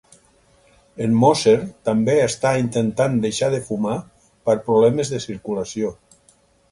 En Moser també està intentant deixar de fumar per problemes de circulació.